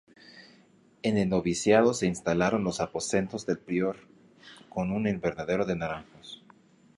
En el noviciado se instalaron los aposentos del prior con un invernadero de naranjos.